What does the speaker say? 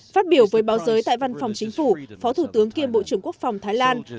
phát biểu với báo giới tại văn phòng chính phủ phó thủ tướng kiêm bộ trưởng quốc phòng thái lan